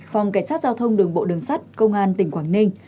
phòng cảnh sát giao thông đường bộ đường sắt công an tỉnh quảng ninh